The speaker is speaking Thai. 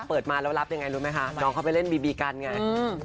เปิดมาแล้วรับยังไงรู้ไหมคะน้องเขาไปเล่นบีบีกันไง